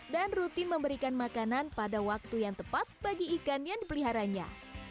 dan rutin memberikan makanan pada waktu yang tepat bagi ikan yang dipeliharanya